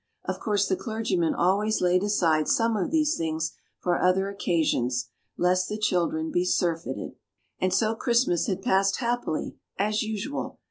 Of course the clergyman always laid aside some of these things for other occasions, lest the children should be surfeited. And so Christmas had passed happily, as usual.